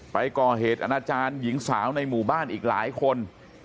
ไปก่อเหตุอนาจารย์หญิงสาวในหมู่บ้านอีกหลายคน